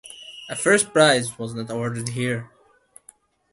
A First Prize was not awarded here.